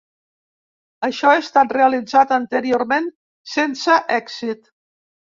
Això ha estat realitzat anteriorment sense èxit.